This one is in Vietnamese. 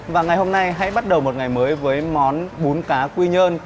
và ngày hôm nay hãy bắt đầu một ngày mới với món bún cá quy nhơn